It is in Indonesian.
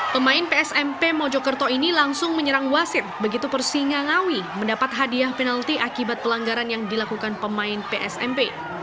pemain psmp mojokerto ini langsung menyerang wasit begitu persingangawi mendapat hadiah penalti akibat pelanggaran yang dilakukan pemain psmp